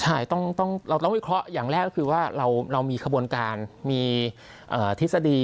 ใช่ต้องวิเคราะห์อย่างแรกก็คือว่าเรามีขบวนการมีทฤษฎี